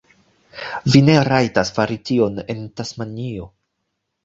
Vi ne rajtas fari tion en Tasmanio.